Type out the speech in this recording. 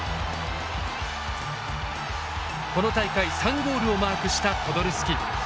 この大会３ゴールをマークしたポドルスキ。